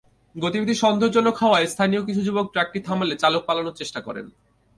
গতিবিধি সন্দেহজনক হওয়ায় স্থানীয় কিছু যুবক ট্রাকটি থামালে চালক পালানোর চেষ্টা করেন।